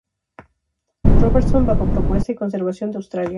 Robertson" bajo propuesta y conservación de Australia.